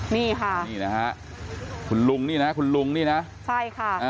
นี่ค่ะคุณลุงนี่นะคุณลุงนี่นะใช่ค่ะ